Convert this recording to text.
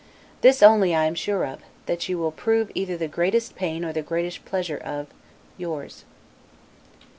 This only I am sure of, that you will prove either the greatest pain or the greatest pleasure of, Yours.